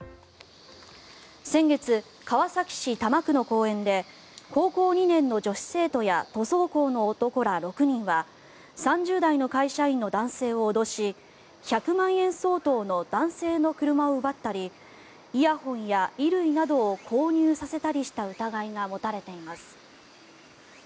先月、川崎市多摩区の公園で高校２年の女子生徒や塗装工の男ら６人は３０代の会社員の男性を脅し１００万円相当の男性の車を奪ったりイヤホンや衣類などを購入させたりした疑いが持たれています。